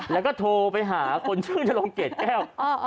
แล้วก็โทรไปหาคนชื่อนรงเกรดแก้ว